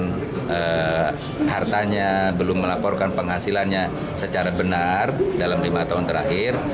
yang hartanya belum melaporkan penghasilannya secara benar dalam lima tahun terakhir